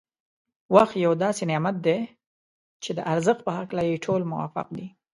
وخت یو داسې نعمت دی چي د ارزښت په هکله يې ټول موافق دی.